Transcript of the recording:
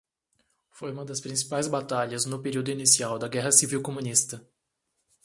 Foi uma das principais batalhas no período inicial da guerra civil comunista.